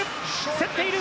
競っている。